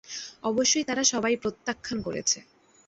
অবশ্যই তারা সবাই প্রত্যাখ্যান করেছে।